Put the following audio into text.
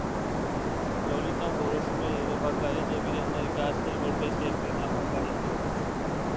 Լոլիտան որոշում է երևակայել և իրեն ներկայացնել որպես երկրի նախագահի թեկնածու։